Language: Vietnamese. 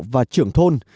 và trưởng thôn